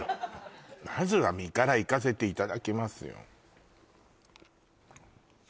まずは身からいかせていただきますよ